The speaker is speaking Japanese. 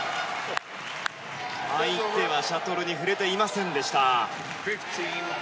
相手はシャトルに触れていませんでした。